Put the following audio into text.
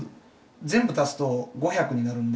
全部足すと５００になるんで。